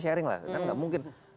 sharing lah karena tidak mungkin